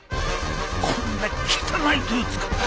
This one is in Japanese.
こんな汚い手を使って！